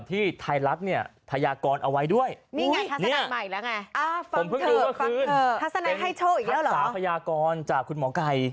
ทัศนาให้โชคอีกแล้วเหรอคัตสาพยากรจากคุณหมอไก่